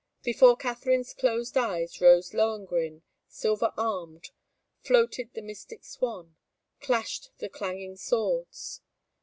Before Katharine's closed eyes rose Lohengrin, silver armed floated the mystic swan clashed the clanging swords.